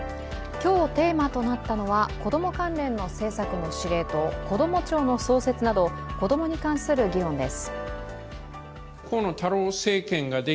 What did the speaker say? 今日テーマとなったのは子供関連の政策の司令塔こども庁の創設など子供に関する議論です。